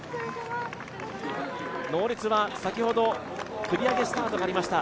ノーリツは先ほど繰り上げスタートがありました。